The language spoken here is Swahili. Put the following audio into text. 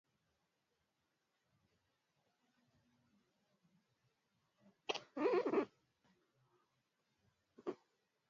tofauti miti yote hii ilikuwa ya spishi